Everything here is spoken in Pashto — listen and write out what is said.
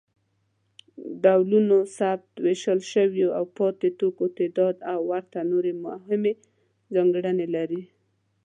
ډولونوثبت، د ویشل شویو او پاتې توکو تعداد او ورته نورې مهمې ځانګړنې لري.